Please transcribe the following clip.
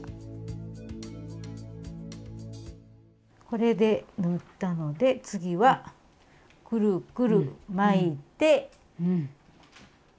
これで縫ったので次はくるくる巻いてわきを縫います。